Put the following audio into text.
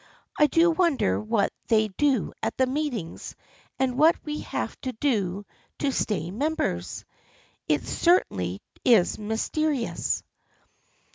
I do wonder what they do at the meetings and what we have to do to stay members. It certainly is mysterious."